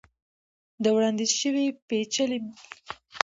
د وړاندیز شوي پیچلي مالي محصولاتو کې سوداګرۍ کولو دمخه، مهرباني وکړئ